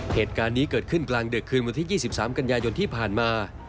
เหตุการณ์นี้เกิดขึ้นกลางดึกคืนวันที่๒๓กันยายนที่ผ่านมา